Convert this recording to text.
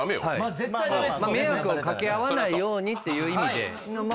迷惑を掛け合わないようにっていう意味で。